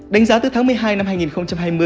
đánh giá từ tháng một mươi hai năm hai nghìn hai mươi